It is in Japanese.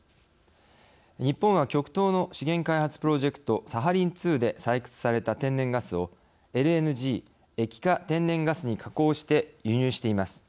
日本は極東の資源開発プロジェクトサハリン２で採掘された天然ガスをＬＮＧ＝液化天然ガスに加工して輸入しています。